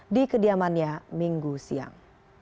di kediamannya minggu siang